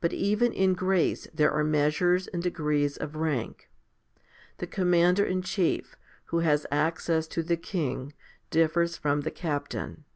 But even in grace there are measures and degrees of rank. The commander in chief, who has access to the king, differs from the captain.